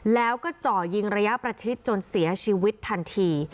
แล้วก็เจาะยิงระยะประชิดจนเสียชีวิตทันที